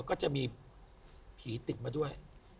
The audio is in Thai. ก็จะมีผีติดมาด้วย